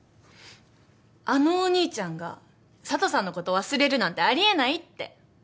あのお兄ちゃんが佐都さんのこと忘れるなんてあり得ないって！